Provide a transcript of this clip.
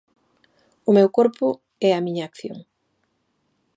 O meu corpo é a miña acción.